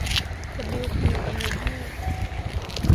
ดับบลิวพี เอ็นเนอร์ยี่